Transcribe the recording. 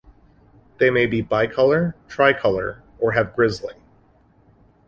They may be bicolor, tricolor, or have grizzling.